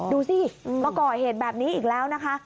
ดูสิมาก่อเหตุแบบนี้อีกแล้วนะคะ